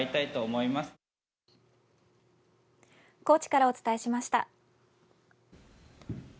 高知からお伝えしました。